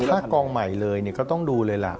ถ้ากองใหม่เลยก็ต้องดูเลยล่ะ